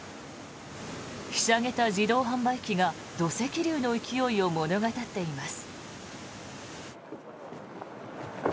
ひしゃげた自動販売機が土石流の勢いを物語っています。